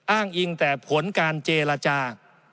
อ้างอิงแต่ผลการเจรจา